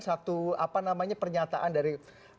satu apa namanya pernyataan dari